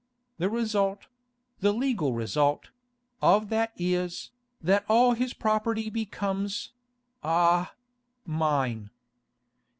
The result—the legal result—of that is, that all his property becomes—ah—mine.